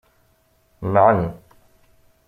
Mɛen.